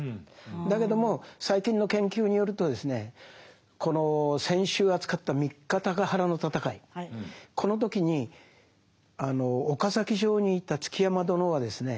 だけども最近の研究によるとですねこの先週扱った三方ヶ原の戦いこの時に岡崎城にいた築山殿はですね